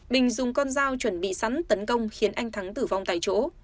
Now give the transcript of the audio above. bình dùng con dao chuẩn bị sẵn tấn công khiến anh thắng tử vong tại chỗ